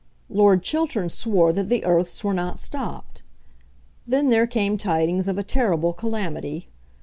Lord Chiltern swore that the earths were not stopped. Then there came tidings of a terrible calamity.